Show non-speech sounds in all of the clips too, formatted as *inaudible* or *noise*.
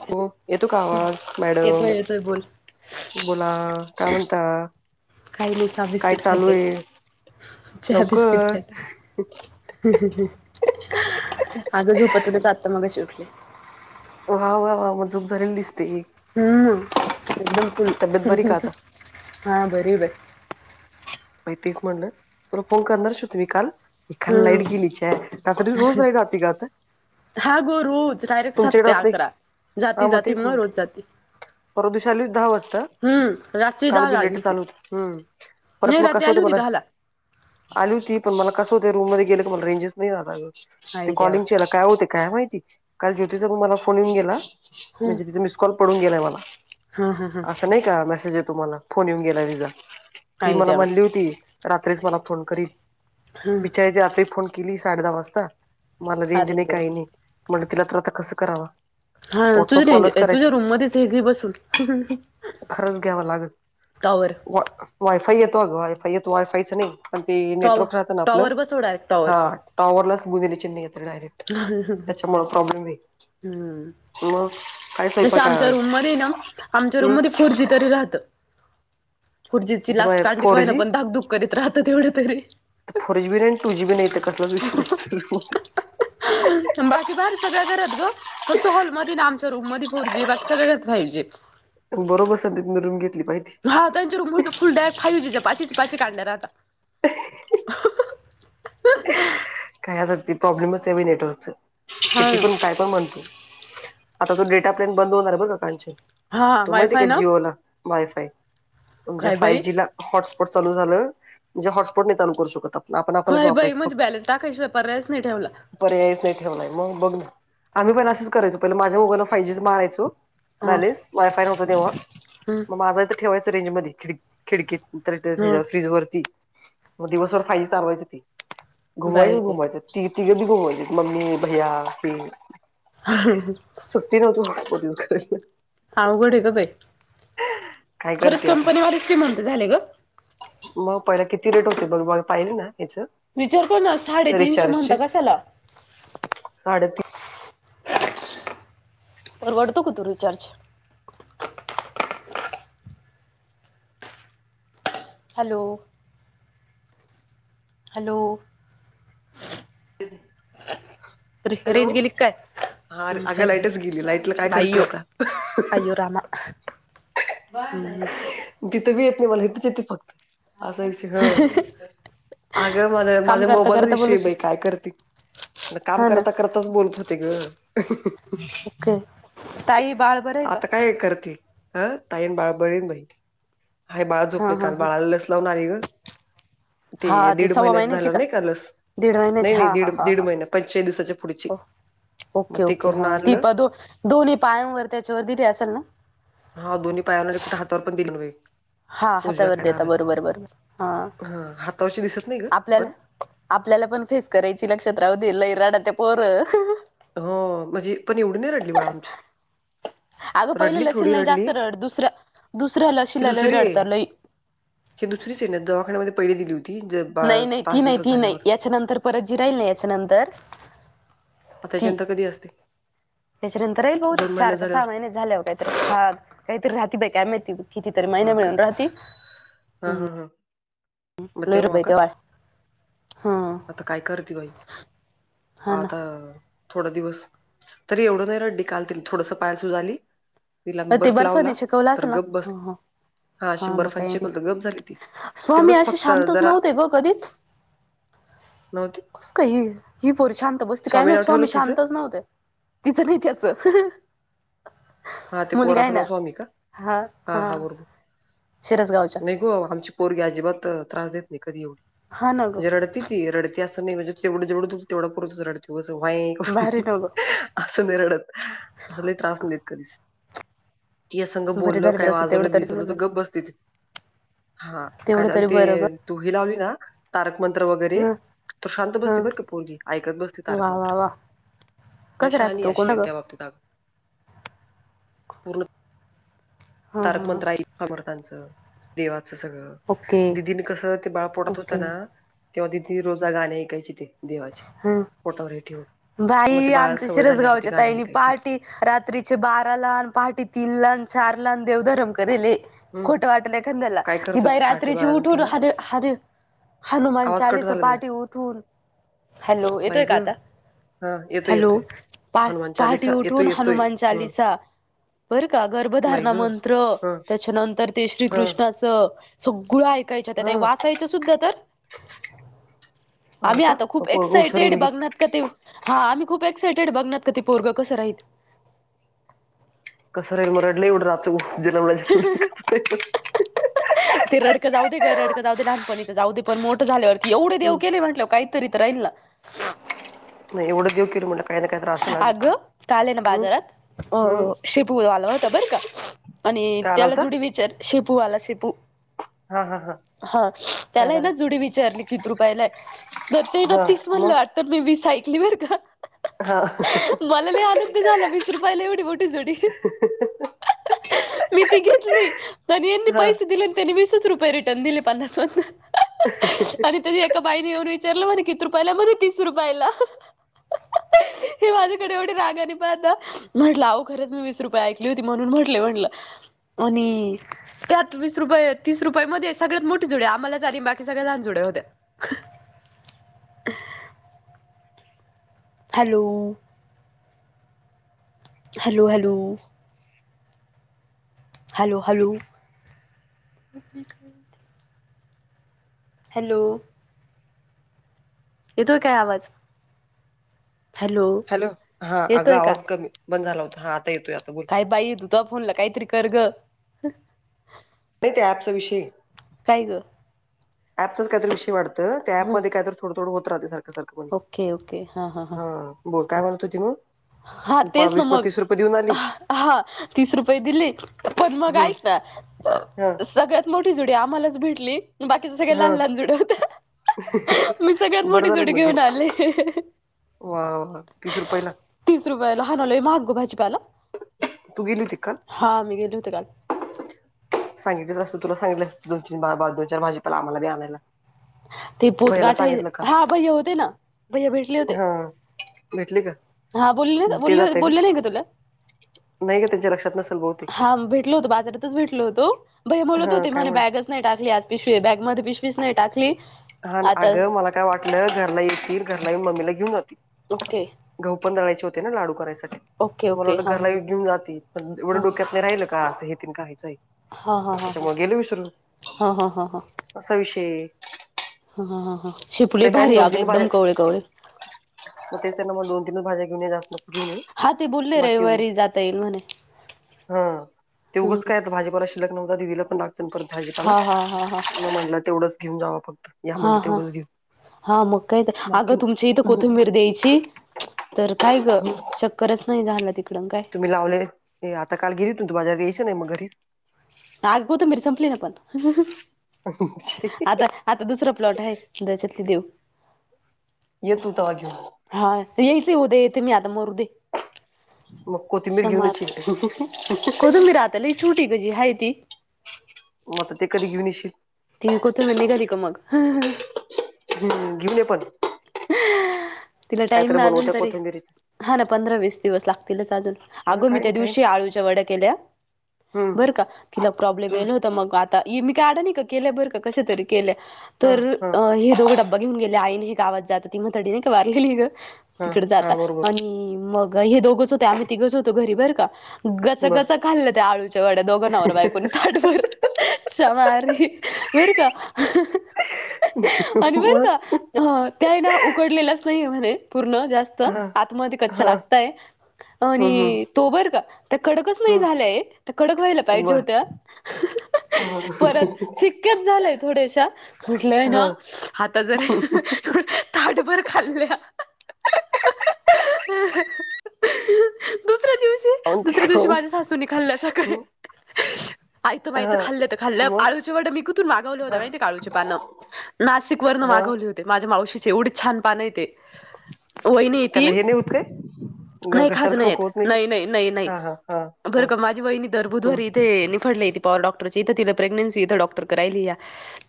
हो येतो का आवाज येतोय मॅडम? येतोय बोल बोला काय म्हणता. काय नाय चहा काय बिस्कीट चालू खाते आहे चहा बिस्कीट लवकर खाते. ह ह ह अगं झोपत होते आता मगाशी उठले. वा वा वा म झोप झालेली दिसते की. हम्म एकदम फुल बरी का आता हा बरी बर. बाई तेच म्हणलं तुला फोन करनारच होते मी काल. काल हम्म लाईट गेली च्या आहे रात्री रोज लाईट जाते का आता? हा गुरोज डायरेक्ट सात तुमच्याकडे ते राहत नाही अकरा जाती जाती म रोज जाती. परवादिवशी आली दहा वाजता हम्म रात्री काल दहाला बी आली लेटच होती आल होत हम्म. परत नाही मग रात्री कसं आली होते. होती मला दहाला आली होती. पण मला कसं होत रूम मध्ये गेलं तर मला रेंजच नाही राहत अग. ते आई देवा कॉलिंगच्या याला काय होते. काय माहिती, काल ज्योतिचा पण मला फोन येऊन गेला. म्हणजे तीच मिस कॉल पडून गेलाय मला. हम हम हम असं नाही का मेसेज येतो मला फोन येऊन गेला तिचा ती आई मला देवा म्हणली होती. रात्रीच मला फोन करील. हम्म बिचारीचा रात्री फोन केली साडे दहा वाजता. मला रेंज अरे नाही देवा काही नाही म्हण तिला तर आता कसं करावा. हा तुझ व्हॉट्सअप रेंज कॉलच तुझ्या रूम करायचं मध्येच हे घे बसवून. खरंच घ्यावं लागल. टॉवर. वायफाय येतो. अग वायफाय येतो. वायफायचं नाही. पण ते टॉवर नेटवर्क राहतं ना आपलं टॉवर बसव डायरेक्ट टॉवर हा. टॉवरलाच गुनीले चिन्ह येत डायरेक्ट हम्म हमम त्याच्यामुळे प्रॉब्लेम आहे हमम हमम्. मग काय तशी स्वयंपाक आमच्या आज रूम मध्ये ना आमच्या रूम मध्ये फोर जी तरी राहत फोरजीची लास्ट हम्म कांडी का फोर व्हयना जी पण धाकधुक करीत राहत तेवढ तरी फोर जी बी नाही. टू जी बी नाही इथ कसलाच विषय नाही. बाकी बाहेर सगळ्या घरात ग. फक्त हॉलमध्ये ना. आमच्या रूम मध्ये फोर जी. बाकी सगळ्या घरात फाईव जी. बरोबर रूम घेतली पाहिजे. हा त्यांच्या रूम मध्ये तर फुल डायरेक्ट फाय जीच्याची पाचीच्या पाची कांड्या राहता. काय आता प्रॉब्लेमच हाय नेटवर्क च हा किती पण काय पण म्हणतो आता तो डेटा प्लॅन बंद होणार आहे बर कालचे हा तो माहिती वायफाय आहे. का ना जिओला वायफाय म्हणजे काय फाय बाई जी ला. हॉटस्पॉट चालू झालं. जे हॉटस्पॉट नाही चाल करू शकत आपण. आपण आपणच व्हय बाई वापरायचं म्हणजे फक्त बॅलन्स टाकाय शिवाय पर्यायच नाही ठेवला. पर्यायच नाही ठेवलाय. मग बघ ना. आम्ही पण असंच करायचो पहिला माझ्या मोबाइलला फाय जीच मारायचो. बॅलेस वायफाय नव्हता तेव्हा, हम. मग माझा इथ ठेवायच. रेंज मध्ये खिड खिडकीत तर हं हेच्या फ्रीजवरती. मग दिवसभर फाय जी चालवायच ते घुमाय बाई त तीघी बी घुमवत्यात मग मम्मी, भैया मी. हहमं हमं *unintelligible* सुट्टी नव्हती. अवघड आहे गं बाई, काय खरंच करते आता कंपनीवाले श्रीमंत झाले गं. मग पहिला किती रेट होते. बघ पाहिले ना येच. विचारतो ना. साडे तीनशे म्हणता कशाला? साडेतीन परवडतो का तो रिचार्ज? हॅलो, हॅलो, रेंज गेली की काय? हार हम्म, हाय अगं लाईटच हाय गेली. लाईटला काय करती बायो आता, अयो रामा हम्म, तिथं बी येत नाय मला, हीथच येते फक्त असा विषय ह. अगं मझ काम माझ्या करता मोबाईलच करता विषश बोलू आहे. बाई, शक काय करते मग काम हा ना करत करतच बोलत होते ग ओके ताई बाळ बरं आहे का आता काय करती? अ ताईन बाळ बरे आहेत बाई. हाय बाळ हा झोपल. हा काल हा बाळाला लस लावून आले ग. ते हा दीड सव्वा महिन्याच महिन्याची झालं नाही का लस. दीड नाही महिन्याची नाही हा हा दीड हा दीड हा महिना पंचेचाळीस दिवसाच्या पुढची ओ मग ओके ते ओके करून हा. ती आणलं प दो दोन्ही पायांवर त्याच्यावर दिली असल ना. हा दोन्ही पायाना कुठे हातावर पण दिले नव्हे. हा हातावर देता बरोबर बरोबर हा हातावरची दिसत नाही ग आपल्याला पण आपल्याला पण फेस करायची लक्षात राहू दे. लई रडते ते पोर. हो, म्हणजे पण एवढी नाही रडली बाळ आमची. अगं पहिल्या रडली लशीला थोडी नाही रडली जास्त रडत दुसऱ्या दुसऱ्या लशीला लई रडतं लई ही दुसरी सेन दवाखान्यामध्ये पहिली दिली होती जर बाळा पाच दिवसात झाल्यावर. त्याच्या नंतर परत जि राहिल नाही याच्यानंतर. आता ती त्याच्यानंतर कधी असते त्याच्यानंतरही बहत दोन महिने चारका सहा झाल्यावर महिने. झाल्यावर काहीतरी हा काहीतरी राहते बा काय माहिती कितीतरी महिना हा का मिळून राहती. हा हम्म हा हा. मग तेव्हा का *unintelligible* हा आता काय करते बाई हा ना आता. थोडा दिवस तरी एवढं नाही रडली काल त थोडस पाया सुज आली. तिला अ ते बर्फ लावला बर्फाने शिकवलं तर असेल ना गप्प बस हा हा हा अशी मग काही नाही बर्फांचीकत गप्प झाली ती. स्वामी तेवढंच असे फक्त शांतच जरा नव्हते ग कधीच. नव्हती कस का ही ही पोरी शांत बसती काय माहित नाव ठेवलं स्वामी तिचं शांतच नव्हते. तिचं नाही त्याचं. हा ते पोरा मुलगा आहे असं नाव ना स्वामी का हा हा बरोबर. शिरसगावच्या. हो आमची पोरगी अजिबात त्रास देत नाही कधी एवढी हा ना म्हणजे गं रडती. रडते असं नाही म्हणजे तेवढं जेवढं तेवढं पुरतच रडते उगाच वाही भारी करून. ना गं अस नाही रडत लय त्रास नाहीेत कधीच. तुझं संघ बरं बोलल झालं काय बाई असं तेवढं वाजवलं तरी चांगलं बिजवलं तर झालं गप बसती. हा काय तेवढं तरी ते बरं गं तूही लावली ना तारक मंत्र वगैरे. हां तर शांत बसती हां बर का पोरगी ऐकत बसते तारक वा वा मंत्र. वा लई कसं राहतं शहाणी तो आहे कोणता गं अशा बाबतीत आग. पूर्ण. हां तारक हां हां मंत्र आईयक स्वामी समर्थांच देवाच सगळ. ओके दिदी नी कस ते बाळ पोटात होत ओके ना तेव्हा दिदीनी रोजा गाणे ऐकायची ती. देवाची हां पोटावर ठेवन मग ते बाई बाळाला आमच्या सवय झाल्या अ ती शिरसगावच्या गाणी ताईनी ऐकायची. पहाटे रात्रीचे बारा ला न पहाटे तीन लाान चार लान देवधर्म करेले. हम्म खोटं वाटलंय तेनाला ला काय ती करत बाई होती पाठी रात्रीची बाळानं उठून तिला ह अरे हनुमान आवाज कट चालीसा झाला तुझा पाठी उठून हॅलो बाई येतोय का ग आता. हा येतोय हॅलो येतोय पा हनुमान पहाटी चालीसा येतोय उठवून येतोय हनुमान हम्म चालीसा. बरं का बाई गर्भधारणा ग मंत्र हा त्याच्यानंतर ते हा श्रीकृष्णाचं. सगळं ऐकायचं त्यात हा वाचायचं सुद्धा तर. हो आम्ही का. आता मग खूप पोरग हुशार एक्सायटेड होईल की बघनात क ते हा आम्ही खूप एक्सायटेड बघनात का ते पोरग कसं राहीत. कसं राहील म रडलं एवढं राहतं जन्मला जनम कस राहील. ते रडकं जाऊ दे ग रडक जाऊ दे लहानपणीच जाऊ दे पण मोठं झाल्यावरती एवढे देव हम्म केले म्हटलं काय. तरीतरा राहील ना. नाही येवढे देव केल म्हटला का. अगं काल आहे ना बाजारात. अ हम्म शेपू आला होता बर का आणि काय आला त्याला होता जुडी विचार. शेपूवाला शेपू हा हा हा काय त्याला ह झालं ना जुडी विचारली. कित रुपयालाय तर ते ना हा तीस म्हणलं मग वाटत मी वीस ऐकली बर का. हा. मला नाही आनंद नाही झालं वीस रुपयाला एवढी मोटी जोडी. मी ती घेतली तरी यांनी हा पैसे दिले आणि त्यांनी विस. वीस रुपीस च रिटर्न दिले पन्नास मधन. अ हं हं हं. आणि त्या एका बाईने येऊन विचारलं म्हणे किती रुपयाला म्हणे तीस रुपयाला. हे माझ्याकडे एवढी रागाने पण आता म्हटलं अहो खरंच मी वीस रुपये ऐकली होती म्हणून म्हटले म्हटलं. आणि. त्यात वीस रुपये तीस रुपये मध्ये सगळ्यात मोठी जुडी आम्हालाच आली बाकी सगळ्या लहान जुड होत्या. Hello hello hello hello hello hello येतोय काय आवाज हॅलो हा अगं येतोय का? आवाज कमी बंद झाला होता हा आता येतोय आता बोल काय बाई तू त फोनला काहीतरी कर ग नाही त्या ऍपचा विषय काय ग? पच काहीतरी विषय वातं त्या ह पमध्ये का तर थोड थोड होत राहते सं ारख हा बोल काय म्हणत होती मग हा तेच ना वीस मग तीस रुपये देऊन आली हा तीस रुपये दिले पण मग आ हम्म हा सगळ्यात मोठी जुडी आम्हालाच भेटली. बाकीच सगळे हा लहान लहान जुड होत मी सगळ्यात बरं मोठी झालं जुडी मग घेऊन घेच आले वा वा तीस रुपयेला तीस रुपयाला हनवलोय महागला भाजीपाला तू गेली तिक हा मी गेलले होते काल सांगितलेच असतं तुला सांगितलं दो बा दोन चार भाजीपाला आमला आणायला ते भैयाला पोतगठ आहे सांगितलं का हा भैया होते ना भैया भेटले होते हा भेटली का हा बोलली ते बोल जाते का बोलली नाही ग तुला. नाही का त्यांच्या लक्षात नसेल बहुतेक हा भेटल होतो बाजारातच भेटल होतो भय बोलत हा होते काय म्ह म्हण बॅग नाही टाकली आज पिशवी बॅग मध्ये पिशवीच नाही टाकली. हा आता अगं मला काय वाटलं घरला येतील घरला मम्मीला घेऊन जातील ओके घा पण रळायचे होते ना लाडू करायसाठी ओके मला ओके वाटं हां हां घराला घेऊन जाते प एवढं हां हां. डोक्यात नाही राहिल का असं हे ति काहीचं आहे. हा हा हा हा त्याच्यामुळे गेलो विसरू हा हा हा हा असा विषय ह ह ह हां शिपली ते काय भारी दोन अगं तीन एकदम भाज्या कवळे कवळे मग ते त्यां मग दोन तीनच भाज्या घेऊन जास्त क नाही हा ते बोलले बाकी ये रविवारी जाता येईल म्हणे हा ते उघंच हम्म काय भाजीप शिक नव दिदीला पण लागत परतेताला हा हा हा हा. म्हट तेवढंच घेऊन जाव फक्त या हा म्हटलं हा तेवढंच घेऊ हा मग काय तर अगं बाकी तुमच्या इथं कोथिंबीर द्यायची तर काय ग चक्करच नाही झालं तिकड काय मी लावले आता काल गेलीत तू बाजारात यायचं नाही मग घरी गोत मरी संपली ना पण *inaudible* आता आता दुसरा प्लॉट आहे द्यायच ते देऊ. येतू तवा घेऊन. हा ते यायच उद्या येते मी आता मरू दे. मग कोथिंबीर घेऊनची ला छोटी कझी हा ती मग तर ते कधी घेऊन येशील ती कोत म नि घाली का मग हम्म घेऊन ये पण तिला काहीतरी टाईम आहे अजून बनवत्या तरी. कोथंबिरीच हा ना पंधरा वीस दिवस लागतीलच अजून. हा अग मी काही त्या नाही काही दिवशी नाही आळूच्या वड्या केल्या हम्म बरं का तिला प्रॉब्लेम हम्म येल होत त मग आता ये मी का अडाणी हे का केल्या बर का कशा तरी केल्या हा तर हा हे दोघडं- ब घेऊन गेले आईने हे गावात जात ती म्हाताडी नाही का वारलेली ग हा तिकडे जाता हा बरोबर आणि मग हे दोघंच होते आम्ही तिघच होतो घरी बर का. गचा- बर गचा खाल्ल्या त्या आळूच्या वड्या दोघ नवराबायकोनी ताटभर *inaudible* च्यामारी बर का *inaudible* आणि बर मग का ह त्या हे ना उकडलेल्याच नाहीये म्हणे पूर्ण जास्त हा आतमध्ये कच्च्या हा लागताहे. हम्म हम्म आणि तो बर का, त्या कडकच नाही हम्म झाल्याये त्या कडक व्हायला पाहिजे बर होत्या. ह *inaudible* *inaudible* परत हा फिक्याच झाल्या हे थोड्याशा म्हटलंय ना हा. आता जर खाऊन *inaudible* ताटभर खाल्ल्या *inaudible* *inaudible* दुसऱ्या दिवशी- दुसऱ्या ते दिवशी खाऊन माझ्या सासूनी खाल्ल्या सकाळी. हम्म, आयत मायत हा खाल्लं तर खाल्लं मग आळूच्या वड्या मी कुथून मागवलं होत हा माहितीय का आळूचे पानं. नाशिक वरन हा मागवले होते माझ्या मावशीचे एवढे छान पान आहे ते. त्यान हे नाही होत काय? ग- नही खाज घशाला नहीे येत, खवखवत नाही का नही -नही -नही -नही हा हा हा हा बरं का माझी वहिणी दर हम्म बुधवारी ते निफाडला येती पवार डॉक्टरच्या इथं तिला प्रेग्नसी इथे डॉक्टर कडे राहिलीया.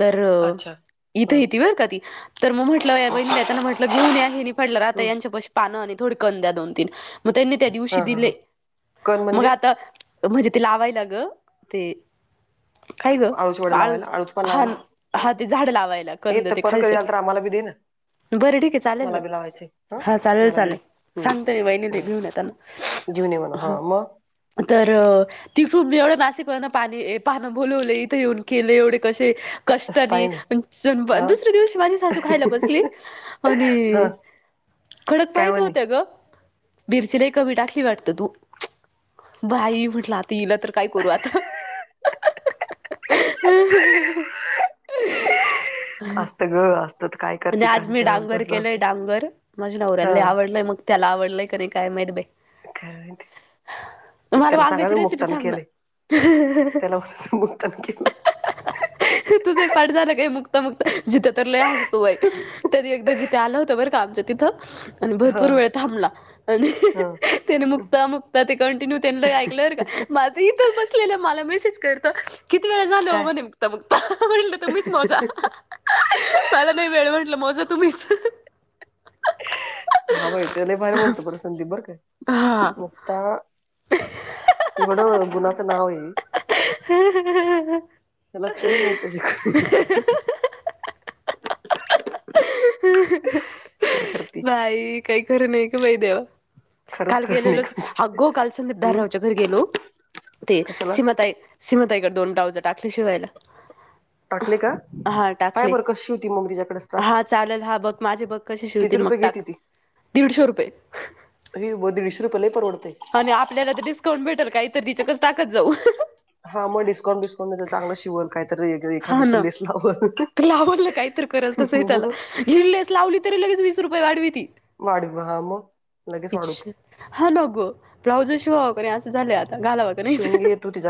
तर अच्छा इथं हा येती बर का ती. तर मग म्हटलं या हा बहिणीला येतांना म्हटलं घेऊन या हे निफाड ला राहता हम्म यांच्या पशी पानं आणि थोड कंद द्या दोन तीन. मग त्यांनी त्या हा दिवशी हा दिले, हा कण मग म्हणजे आता म्हणजे ते लावायला ग ते काय ग, आळूची वड्या लावायला हालच- आळूच पान हान- लावायला हा ते झाड लावायला कंद येत ते परत कधी खालचे. आलं तर आम्हाला बी दे ना बरं ठीक आहे चालेल मला ना, बी लावायचे हा चालेल मला बी -चालेल दे हम्म सांगतय वहिनीले ते हम्म. घेऊन येताना. घेऊन ये म्हणाव हा म तर तिथून मी एवढं नाशिक वरन पाणी ये पानं बोलवले इथं येऊन केले एवढे कशे? कष्टानी पाहिन पण सुन बा ह दुसर्‍या दिवशी माझी सासू त बसली ह आणि कडक काय पायीच म्हणे होत्यात ग बीरची लई कमी टाकली वाटत तू बाई म्हटलं आ तिला तर काय करू आता *inaudible* ह ह ह ह *inaudible* असत ग अस म्हंजे आज मी डांगर केलंय डांगर माझ्या नवऱ्याला हा लई आवडलंय मग त्याला आवडलंय का नई काय माहीत बाई? काय माहिती. मला त्याला वांग्याची सांगायचं रेसिपी मुक्तानी सांग केलय, ना त्याला म्हणायच मुक्तान केलं. *inaudible* तुझंही पाठ झालं का हे मुक्ता- मुक्ता, जित्या तर लय हास तोय तरी एकदा जित्या आला होता बरं का आमच्या तिथं आणि हा भरपूर वेळ थांबला. आणि हा *inaudible* त्याने मुक्ता -मुक्ता ते कंटिन्यू त्यानी लई ऐकलं बरं का मा त इथंच बसलेलं मला मेसेज करतो. किती वेळा झालं ओ काय म्हणे मुक्ता- मुक्ता म्हणल तुम्हीच मोजा. मला नाही वेळ म्हंटलं मोजा तुम्हीच. हा बाई ते लय भारी बालतो बर संधीप बरं काय. हा मुक्ता एवढ गुणाचं नाव हे. हम्म हम् हम् ह् *inaudible* लक्ष्मी मिळते *inaudible* *unintelligible* नाहीत तशी. *inaudible* बाई काही खर नाही ग बाई देवा. खरंच काल खरं नाही गेलेलोच कांचन अगो! काल संदीप हम् धाररावच्या घरी गेलो ते कशाला सीमा ताई सीमताईकड दोन डावज टाकली शिवायला. टाकले का? हा पाय टाकले बरं कशी होती मग तिच्याकडेच टाकी हा चालेल हा बघ माझे बघ कसे किती शिवतील मग रुपये घेते टाक. दीडशे रुपये. ही व दिडशे रुपय लय परवडतेय. आणि आपल्याला तर डिस्काउंट भेटेल का इतर दििच्याकच टाकत जाऊ. हां म डस्काउंटिस्उंटेत. चांगलं शिवल कायतरी एखाद हा ना दुसर लेस लाव तर लावलं काहीतरी करल तसही म. त्याला झिनलेस लावली तरी लगच वीस रुपये वाढवी ती. वाढव हा मग लगेच वाढवतो. हा न गो ब्राउझर शू ह कर अस झाल्यात. शून घे तुटी जा